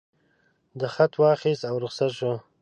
ده خط واخیست او رخصت شو.